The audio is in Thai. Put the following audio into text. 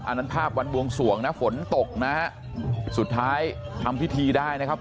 อันนั้นภาพวันบวงสวงนะฝนตกนะฮะสุดท้ายทำพิธีได้นะครับ